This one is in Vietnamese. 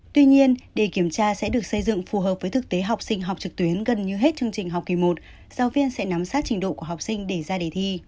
tuy nhiên để kiểm tra sẽ được xây dựng phù hợp với thực tế học sinh học trực tuyến gần như hết chương trình học kỳ một giáo viên sẽ nắm sát trình độ của học sinh để ra đề thi